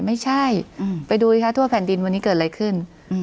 ไม่ใช่ไปดูสิคะทั่วแผ่นดินวันนี้เกิดอะไรขึ้น